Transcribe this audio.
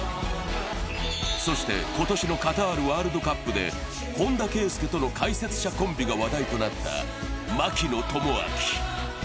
そして、今年のカタールワールドカップで本田圭佑との解説者コンビが話題となった槙野智章。